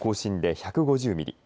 １５０ミリ